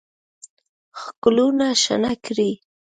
ښکلونه شنه کړي